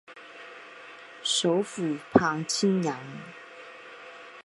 首府磅清扬。